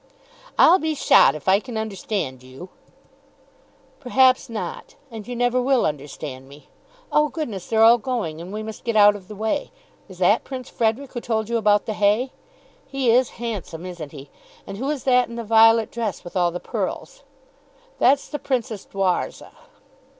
"I'll be shot if I can understand you." "Perhaps not. And you never will understand me. Oh, goodness; they're all going, and we must get out of the way. Is that Prince Frederic, who told you about the hay? He is handsome; isn't he? And who is that in the violet dress; with all the pearls?" "That's the Princess Dwarza."